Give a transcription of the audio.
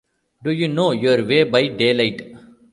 Do you know your way by daylight?